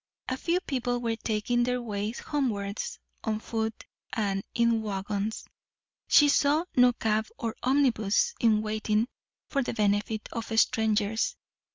A few people were taking their way homewards, on foot and in waggons; she saw no cab or omnibus in waiting for the benefit of strangers.